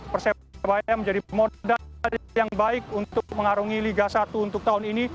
persebaya menjadi modal yang baik untuk mengarungi liga satu untuk tahun ini